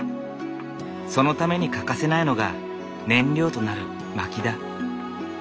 そのために欠かせないのが燃料となる薪だ。